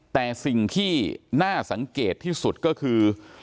แต่สิ่งที่น่าสังเกตที่สุดก็คือ